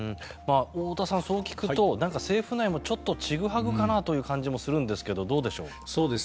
太田さん、そう聞くと政府内もちょっと、ちぐはぐかなという感じもするんですがどうでしょう。